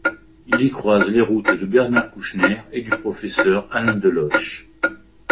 Il y croise les routes de Bernard Kouchner et du professeur Alain Deloche.